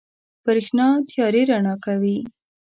برېښنا تيارې رڼا کوي.